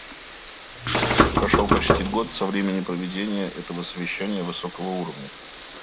Прошел почти год со времени проведения этого совещания высокого уровня.